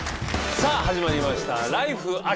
さあ始まりました「ＬＩＦＥ！秋」。